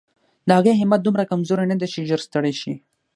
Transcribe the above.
د هغې همت دومره کمزوری نه دی چې ژر ستړې شي.